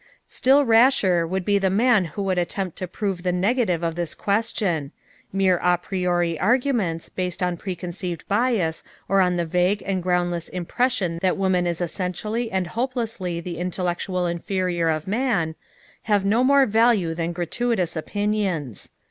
Still rasher would be the man who would attempt to prove the negative of this question. Mere a priori arguments, based on preconceived bias or on the vague and groundless impression that woman is essentially and hopelessly the intellectual inferior of man, have no more value than gratuitous opinions.